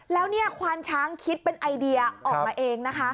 แล้วเนี่ยควานช้างคิดเป็นไอเดียออกมาเองนะคะ